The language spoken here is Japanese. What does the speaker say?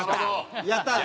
やったー！